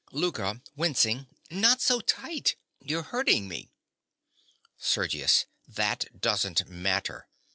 LOUKA. (wincing). Not so tight: you're hurting me! SERGIUS. That doesn't matter.